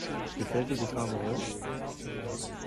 Gefällt dir die Farbe rot?